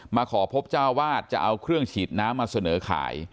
มาขอพบเจ้าวาดจะเอาเครื่องฉีดน้ำมาเสนอขาย